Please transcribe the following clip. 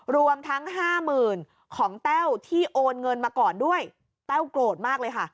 รวมทั้งห้าหมื่นของแต้วที่โอนเงินมาก่อนด้วยแต้วโกรธมากเลยค่ะ